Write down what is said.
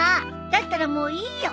だったらもういいよ！